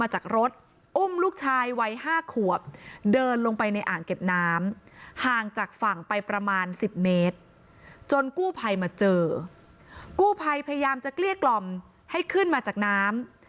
จากฝั่งไปประมาณสิบเมตรจนกู้ไพมาเจอกู้ไพพยามจะเกลี้ยกล่อมให้ขึ้นมาจากน้ำ